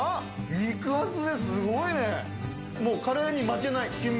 肉厚ですごいですね。